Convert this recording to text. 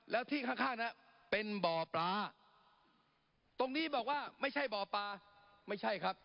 แล้วที่ข้างข้างน่ะเป็นบ่อปลาตรงนี้บอกว่าไม่ใช่บ่อปลาไม่ใช่ครับ